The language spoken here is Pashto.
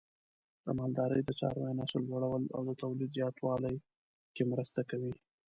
د مالدارۍ د څارویو نسل لوړول د تولید زیاتوالي کې مرسته کوي.